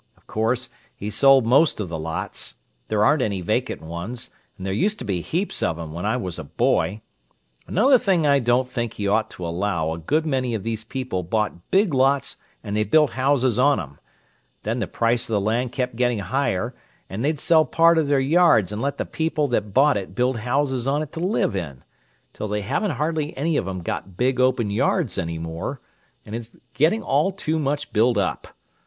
Of course, he sold most of the lots—there aren't any vacant ones, and there used to be heaps of 'em when I was a boy. Another thing I don't think he ought to allow; a good many of these people bought big lots and they built houses on 'em; then the price of the land kept getting higher, and they'd sell part of their yards and let the people that bought it build houses on it to live in, till they haven't hardly any of 'em got big, open yards any more, and it's getting all too much built up.